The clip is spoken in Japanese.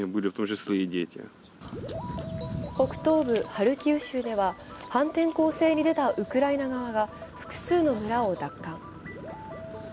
ハルキウ州では反転攻勢に出たウクライナ側が複数の村を奪還。